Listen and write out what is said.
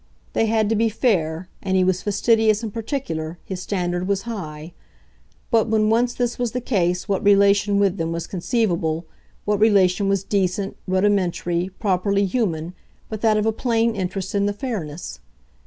They had to be fair and he was fastidious and particular, his standard was high; but when once this was the case what relation with them was conceivable, what relation was decent, rudimentary, properly human, but that of a plain interest in the fairness?